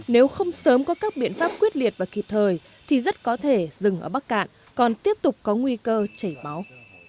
nếu không sớm có các biện pháp quyết liệt và kịp thời thì rất có thể rừng ở bắc cạn còn tiếp tục có nguy cơ chảy máu